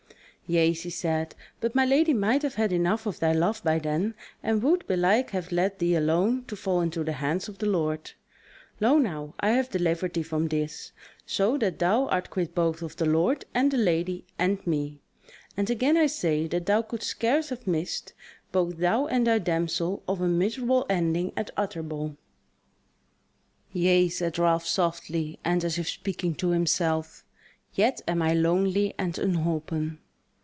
"Yea," she said, "but my lady might have had enough of thy love by then, and would belike have let thee alone to fall into the hands of the Lord. Lo now! I have delivered thee from this, so that thou art quit both of the Lord and the lady and me: and again I say that thou couldst scarce have missed, both thou and thy damsel, of a miserable ending at Utterbol." "Yea," said Ralph, softly, and as if speaking to himself, "yet am I lonely and unholpen."